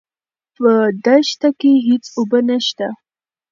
په دښته کې هېڅ اوبه نشته.